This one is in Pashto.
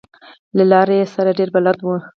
له لارې سره ډېر بلد و.